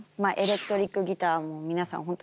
エレクトリックギターも皆さん